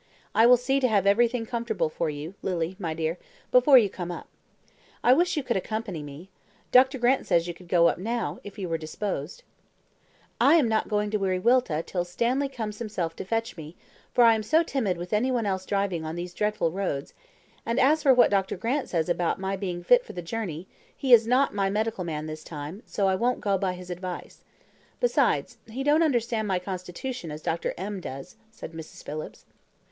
I will see to have everything comfortable for you, Lily, my dear, before you come up. I wish you could accompany me. Dr. Grant says you could go up now, if you were disposed." "I am not going to Wiriwilta till Stanley comes himself to fetch me, for I am so timid with any one else driving on these dreadful roads; and as for what Dr. Grant says about my being fit for the journey, he is not my medical man this time, so I won't go by his advice. Besides, he don't understand my constitution as Dr. M does," said Mrs. Phillips.